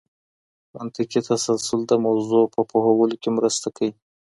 منطقي تسلسل د موضوع په پوهولو کي مرسته کوي.